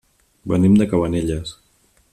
Venim de Cabanelles.